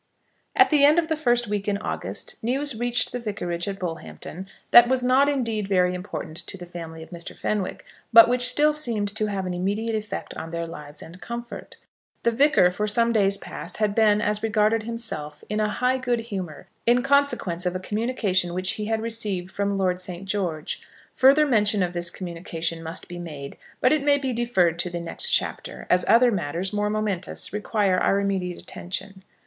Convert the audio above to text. At the end of the first week in August news reached the vicarage at Bullhampton that was not indeed very important to the family of Mr. Fenwick, but which still seemed to have an immediate effect on their lives and comfort. The Vicar for some days past had been, as regarded himself, in a high good humour, in consequence of a communication which he had received from Lord St. George. Further mention of this communication must be made, but it may be deferred to the next chapter, as other matters, more momentous, require our immediate attention.